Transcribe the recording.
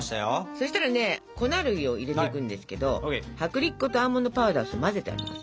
そしたらね粉類を入れていくんですけど薄力粉とアーモンドパウダーを混ぜてあります。